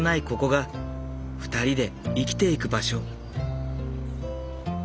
ここが２人で生きていく場所。